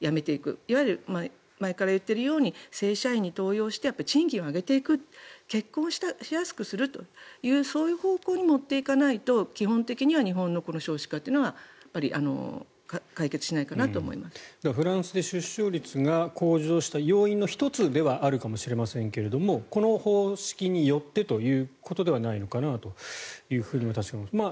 いわゆる前から言っているように正社員に登用して賃金を上げていく結婚しやすくするというそういう方向に持って行かないと、基本的には日本の少子化というのはフランスで出生率が向上した要因の１つではあるかもしれませんがこの方式によってということではないのかなというふうに私も思います。